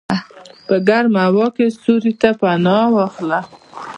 په ګرمه هوا کې سیوري ته پناه واخله.